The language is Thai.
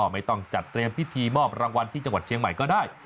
ไม่ต้องจัดเตรียมพิธีมอบรางวัลที่จังหวัดเชียงใหม่ก็ได้